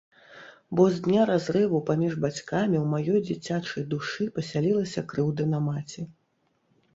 Бо з дня разрыву паміж бацькамі ў маёй дзіцячай душы пасялілася крыўда на маці.